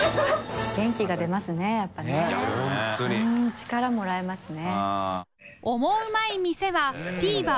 力もらえますね。